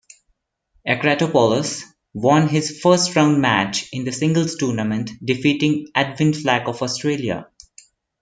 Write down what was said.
Akratopoulos won his first-round match in the singles tournament, defeating Edwin Flack of Australia.